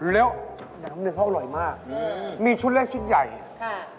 แล้วน้ำหนึ่งเขาอร่อยมากอืมมีชุดแรกชุดใหญ่ค่ะ